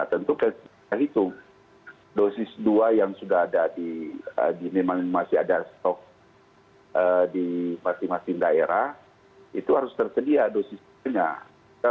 tentu kita hitung dosis dua yang sudah ada di memang masih ada stok di masing masing daerah itu harus tersedia dosisnya